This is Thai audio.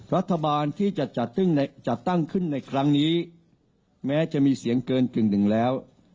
รัฐบาลที่จะจัดตั้งขึ้นในครั้งนี้แม้จะมีเสียงเกินกึ่งหนึ่งแล้ว